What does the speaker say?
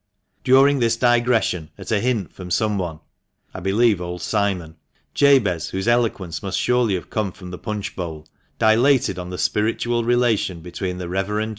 During this digression, at a hint from someone (I believe old Simon), Jabez, whose eloquence must surely have come from the punch bowl, dilated on the spiritual relation between the reverend 266 THE MANCHESTER MAN.